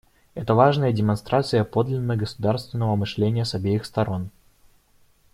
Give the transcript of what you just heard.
Это важная демонстрация подлинно государственного мышления с обеих сторон.